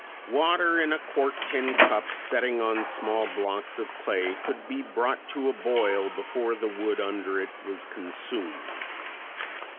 Water in a quart tin cup setting on small blocks of clay could be brought to a boil before the wood under it was consumed.